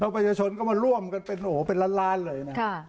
ประชาชนก็มาร่วมกันเป็นโอ้โหเป็นล้านล้านเลยนะ